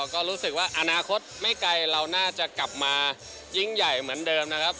ก็รู้สึกว่าอนาคตไม่ไกลเราน่าจะกลับมายิ่งใหญ่เหมือนเดิมนะครับ